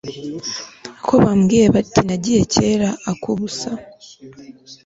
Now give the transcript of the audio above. ko bambwiye bati yagiye kera ak'ubusa